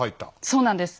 そうなんです。